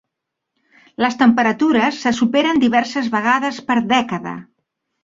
Les temperatures se superen diverses vegades per dècada.